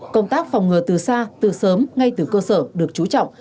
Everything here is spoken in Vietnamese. công tác phòng ngừa từ xa từ sớm ngay từ cơ sở được chú trọng